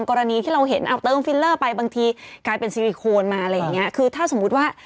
คุณแม่ตัวคุณแม่ตัวคุณแม่ตัว